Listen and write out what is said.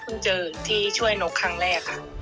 เจอที่ช่วยนกครั้งแรกค่ะ